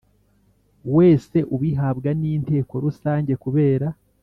wese ubihabwa n Inteko Rusange kubera